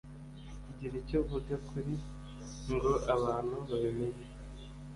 gira icyo uvuga kugira ngo abantu babimenye